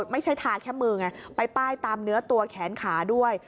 ไม่ใช่ทาแค่มือไงไปป้ายตามเนื้อตัวแขนขาด้วย